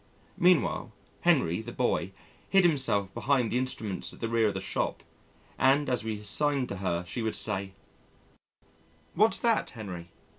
Meanwhile, Henry the boy, hid himself behind the instruments at the rear of the shop and as we signed to her she would say, "What's that, Henry?"